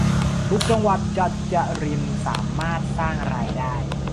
ทุกจังหวัดจะจริญสามารถสร้างรายได้